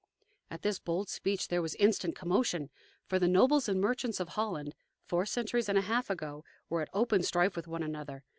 At this bold speech there was instant commotion. For the nobles and merchants of Holland, four centuries and a half ago, were at open strife with one another.